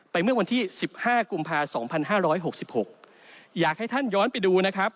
เมื่อวันที่๑๕กุมภา๒๕๖๖อยากให้ท่านย้อนไปดูนะครับ